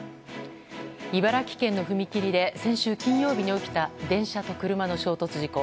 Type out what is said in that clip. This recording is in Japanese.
茨城県の踏切で先週金曜日に起きた電車と車の衝突事故。